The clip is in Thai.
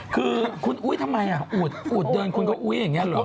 คือทำไมอูดเดินคุณก็อุ๊ยอย่างนี้หรอก